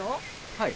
はい。